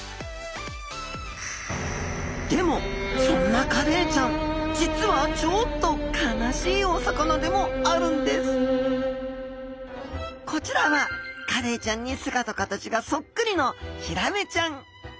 でもそんなカレイちゃん実はちょっと悲しいお魚でもあるんですこちらはカレイちゃんに姿形がそっくりのヒラメちゃん。